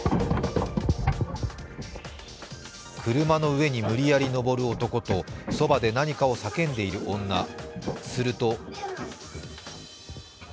車の上に無理矢理上る男とそばで何かを叫んでいるいる女。